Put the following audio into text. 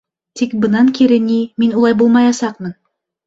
Тик бынан кире, ни, мин улай булмаясаҡмын...